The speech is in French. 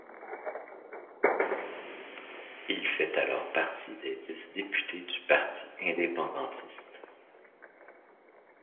Il fait alors partie des dix députés du parti indépendantiste.